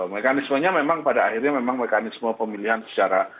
mekanismenya memang pada akhirnya memang mekanisme pemilihan secara